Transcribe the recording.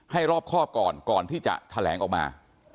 ให้รอบข้อก่อนก่อนที่จะแขลงออกมา